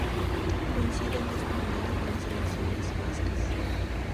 Coinciden de esta manera con las elecciones vascas.